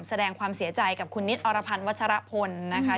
แสดงความเสียใจกับคุณนิดอรพันธ์วัชรพลนะคะ